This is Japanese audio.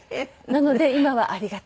なので今はありがたく。